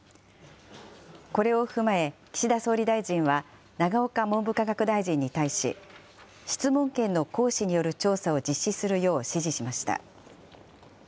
これを踏まえ、岸田総理大臣は永岡文部科学大臣に対し、質問権の行使による調査を実施するよう指示しました。